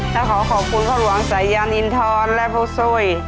และขอขอบคุณพระหลวงสายยานอินทรและพวกสวย